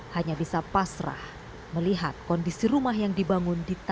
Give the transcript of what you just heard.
hanya bisa pasrah melihat kondisi rumah yang dibangun